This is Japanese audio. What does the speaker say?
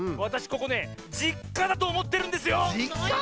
ここね「じっか」だとおもってるんですよ！